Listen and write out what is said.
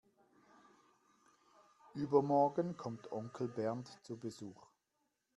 Übermorgen kommt Onkel Bernd zu Besuch.